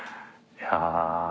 いや。